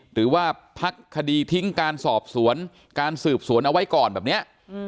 หรือว่าพักคดีทิ้งการสอบสวนการสืบสวนเอาไว้ก่อนแบบนี้